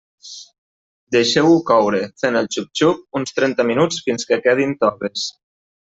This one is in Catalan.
Deixeu-ho coure, fent el xup-xup, uns trenta minuts fins que quedin toves.